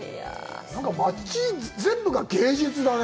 なんか街全部が芸術だね。